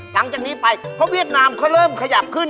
หลังจากนี้ไปเพราะเวียดนามเขาเริ่มขยับขึ้น